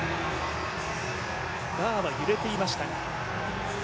バーは揺れていましたが。